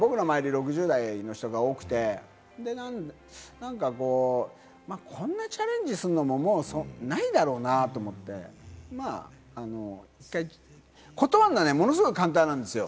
６０代の人が多くて、何かこう、こんなチャレンジするのももうないだろうなと思って、断るのはものすごい簡単なんですよ。